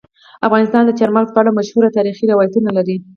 افغانستان د چار مغز په اړه مشهور تاریخی روایتونه لري.